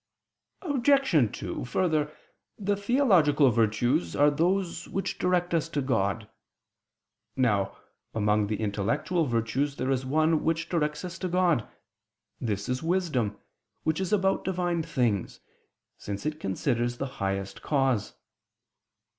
Obj. 2: Further, the theological virtues are those which direct us to God. Now, among the intellectual virtues there is one which directs us to God: this is wisdom, which is about Divine things, since it considers the highest cause.